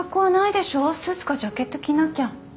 スーツかジャケット着なきゃ。